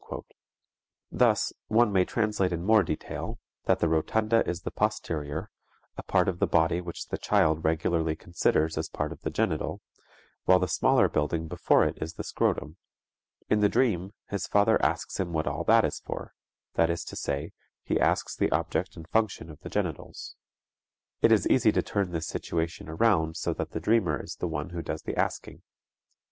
Thus one may translate in more detail, that the rotunda is the posterior a part of the body which the child regularly considers as part of the genital while the smaller building before it is the scrotum. In the dream his father asks him what all that is for; that is to say, he asks the object and function of the genitals. It is easy to turn this situation around so that the dreamer is the one who does the asking.